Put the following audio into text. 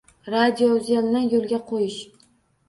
Radiouzelni yoʻlga qoʻyish